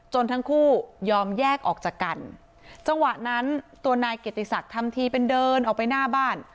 ทั้งคู่ยอมแยกออกจากกันจังหวะนั้นตัวนายเกียรติศักดิ์ทำทีเป็นเดินออกไปหน้าบ้าน